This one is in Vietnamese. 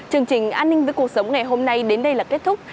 chương trình an ninh với cuộc sống ngày hôm nay đến đây là kết thúc